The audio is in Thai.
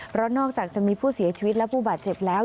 เพราะนอกจากจะมีผู้เสียชีวิตและผู้บาดเจ็บแล้ว